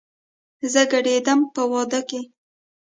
زه ګډېدم په وادۀ کې